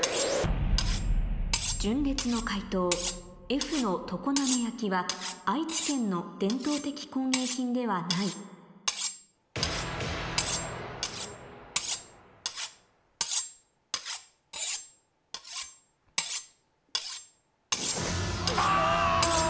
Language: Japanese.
純烈の解答Ｆの常滑焼は愛知県の伝統的工芸品ではないあ！